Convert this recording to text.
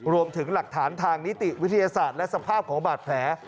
รวมถึงหลักฐานทางนิติวิทยาศาสตร์และสภาพของบาดแผล